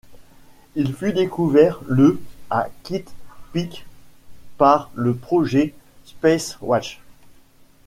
Il fut découvert le à Kitt Peak par le projet Spacewatch.